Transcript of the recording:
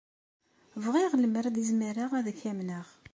Bɣiɣ lemmer ad izmireɣ ad k-amneɣ.